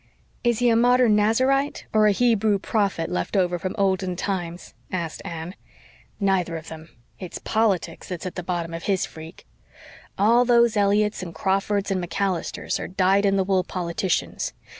"Is he a modern Nazarite or a Hebrew prophet left over from olden times?" asked Anne. "Neither of them. It's politics that's at the bottom of his freak. All those Elliotts and Crawfords and MacAllisters are dyed in the wool politicians.